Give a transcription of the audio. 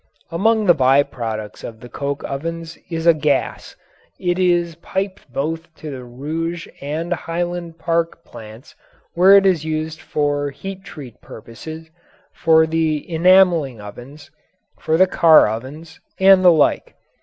Among the by products of the coke ovens is a gas. It is piped both to the Rouge and Highland Park plants where it is used for heat treat purposes, for the enamelling ovens, for the car ovens, and the like.